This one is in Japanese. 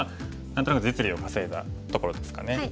何となく実利を稼いだところですかね。